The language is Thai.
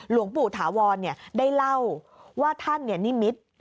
หลวงปู่ถาวรเนี่ยได้เล่าว่าท่านเนี่ยนิมิตร